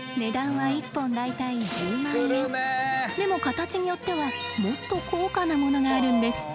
でも形によってはもっと高価なものがあるんです。